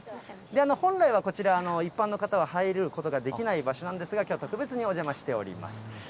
本来はこちら、一般の方は入ることができない場所なんですが、きょうは特別にお邪魔しております。